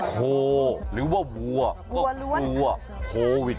โคหรือว่าวัวก็กลัวโควิด